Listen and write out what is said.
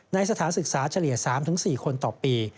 สถานศึกษาเฉลี่ย๓๔คนต่อปี